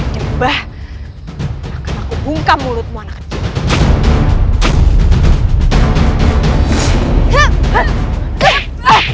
jebah akan aku bungkam mulutmu anak